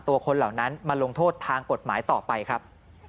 หลังจากพบศพผู้หญิงปริศนาตายตรงนี้ครับ